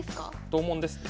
同門ですね。